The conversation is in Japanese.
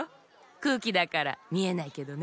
くうきだからみえないけどね。